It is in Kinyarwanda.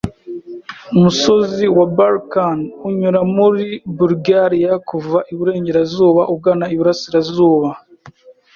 Umusozi wa Balkan unyura muri Bulugariya kuva iburengerazuba ugana iburasirazuba.